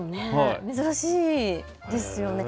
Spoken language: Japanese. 珍しいですよね。